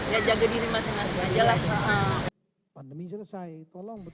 ya tapi tetap harus jaga diri masing masing aja lah